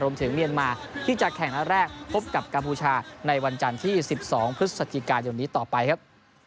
รวมถึงเมียนมาที่จะแข่งละแรกพบกับกัมพูชาในวันจันทร์ที่๑๒พฤษฐกาลต่อไปครับ